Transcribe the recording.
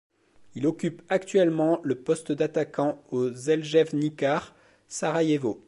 Il occupe actuellement le poste d'attaquant au Željezničar Sarajevo.